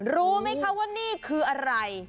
รู้ไหมคะว่านี่คืออะไร